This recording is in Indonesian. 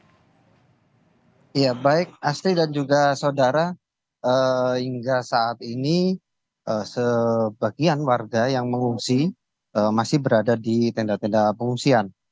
ya baik asri dan juga saudara hingga saat ini sebagian warga yang mengungsi masih berada di tenda tenda pengungsian